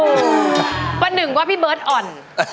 ประหนึ่งว่าพี่เบิร์ตอ่อน